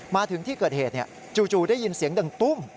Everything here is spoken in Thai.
มาถึงที่เกิดเหตุจู่ได้ยินเสียงดังตุ้ม